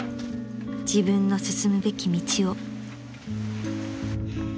［自分の進むべき道を］